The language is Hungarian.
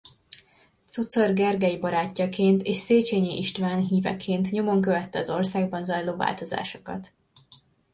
Czuczor Gergely barátjaként és Széchenyi István híveként nyomon követte az országban zajló változásokat.